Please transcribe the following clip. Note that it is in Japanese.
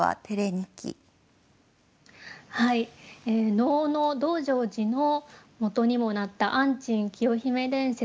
能の「道成寺」のもとにもなった「安珍清姫伝説」。